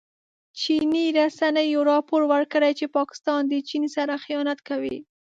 چیني رسنیو راپور ورکړی چې پاکستان د چین سره خيانت کوي.